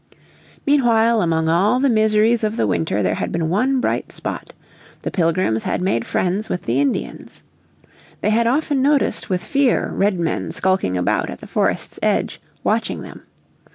Meanwhile among all the miseries of the winter there had been one bright spot. The Pilgrims had made friends with the Indians. They had often noticed with fear Redmen skulking about at the forest's edge, watching them.